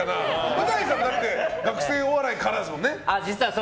う大さん、だって学生お笑いからですもんね。